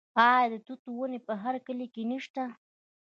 آیا د توت ونې په هر کلي کې نشته؟